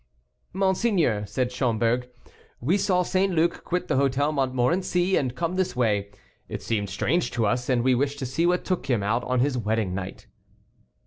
"Monseigneur," said Schomberg; "we saw St. Luc quit the Hôtel Montmorency and come this way; it seemed strange to us, and we wished to see what took him out on his wedding night."